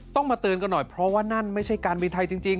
มาเตือนกันหน่อยเพราะว่านั่นไม่ใช่การบินไทยจริง